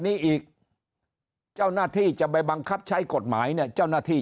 นี้อีกเจ้าหน้าที่จะไปบังคับใช้กฎหมายเนี่ยเจ้าหน้าที่